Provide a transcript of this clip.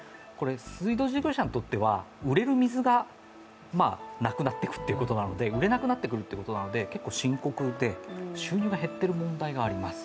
水道事業者にとっては売れる水がなくなっていくということなので、売れなくなっていくということなので結構深刻で、収入が減っている問題があります。